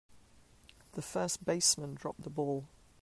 The first baseman dropped the ball.